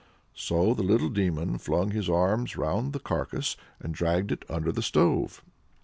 So the little demon flung his arms round the carcase, and dragged it under the stove.